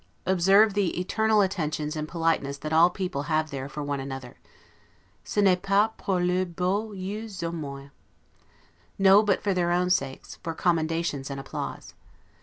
Observe the eternal attentions and politeness that all people have there for one another. 'Ce n'est pas pour leurs beaux yeux au moins'. No, but for their own sakes, for commendations and applause.